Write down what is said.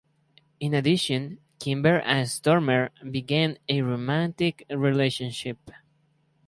In addition, Kimber and Stormer begin a romantic relationship.